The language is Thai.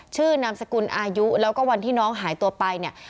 นามสกุลอายุแล้วก็วันที่น้องหายตัวไปเนี่ย